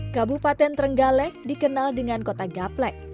kabupaten trenggalek dikenal dengan kota gaplek